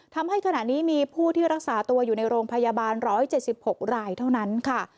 ทำให้ขณะนี้มีผู้ที่รักษาตัวอยู่ในโรงพยาบาล๑๗๖รายเท่านั้นค่ะ